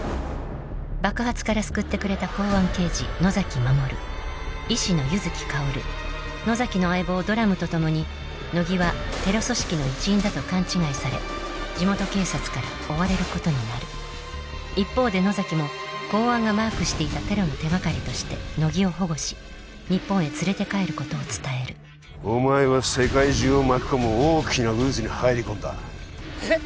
爆発から救ってくれた公安刑事野崎守医師の柚木薫野崎の相棒ドラムとともに乃木はテロ組織の一員だと勘違いされ地元警察から追われることになる一方で野崎も公安がマークしていたテロの手がかりとして乃木を保護し日本へ連れて帰ることを伝えるお前は世界中を巻き込む大きな渦に入り込んだえっ？